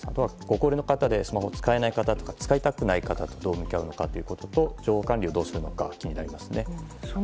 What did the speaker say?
ご高齢の方でスマホを使えない方使いたくない方とどう向き合うのかと情報管理をどうするかが気になりますね。